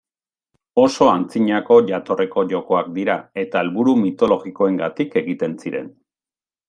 Oso antzinako jatorriko jokoak dira eta helburu mitologikoengatik egiten ziren.